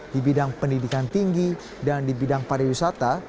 di bidang pendidikan tinggi dan di bidang pariwisata